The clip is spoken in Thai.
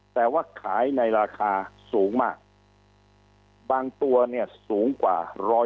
แต่ว่าขายในราคาสูงมากบางตัวเนี่ยสูงกว่า๑๐๐